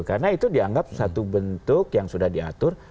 karena itu dianggap satu bentuk yang sudah diatur